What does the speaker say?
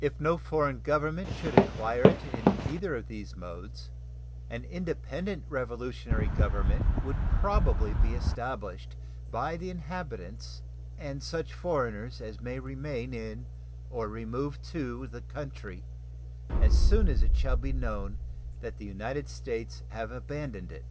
If no foreign government should acquire it in either of these modes, an independent revolutionary government would probably be established by the inhabitants and such foreigners as may remain in or remove to the country as soon as it shall be known that the United States have abandoned it.